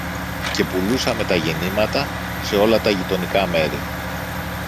και πουλούσαμε τα γεννήματα σε όλα τα γειτονικά μέρη.